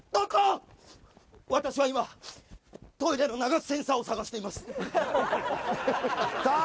私は今トイレの流すセンサーを探していますさあ